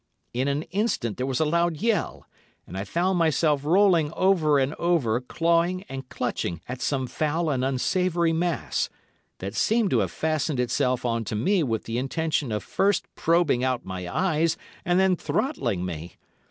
In an instant, there was a loud yell, and I found myself rolling over and over clawing and clutching at some foul and unsavoury mass, that seemed to have fastened itself on to me with the intention of first probing out my eyes, and then throttling me.